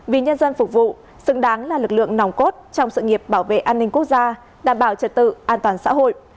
vì nhân dân phục vụ xứng đáng là lực lượng nòng cốt trong sự nghiệp bảo vệ an ninh quốc gia đảm bảo trật tự an toàn xã hội